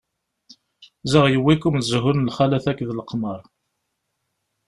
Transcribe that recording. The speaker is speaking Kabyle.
Ziɣ yewwi-ken zhu n lxalat akked leqmeṛ.